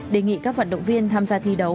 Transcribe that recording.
đề nghị các vận động viên tham gia thi đấu